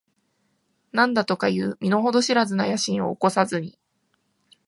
何だとかいう身の程知らずな野心を起こさずに、